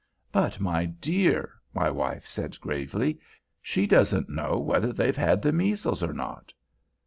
"But, my dear," my wife said, gravely, "she doesn't know whether they've had the measles or not."